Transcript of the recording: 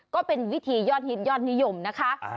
ก็เป็นวิธียอดนิยมนะคะ